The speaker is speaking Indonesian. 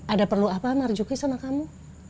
ada perlu apa marzuki sama kamu